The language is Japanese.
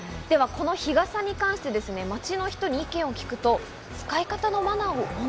この日傘に関して街の人に意見を聞くと、使い方のマナーを問